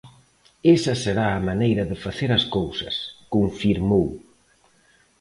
"Esa será a maneira de facer as cousas", confirmou.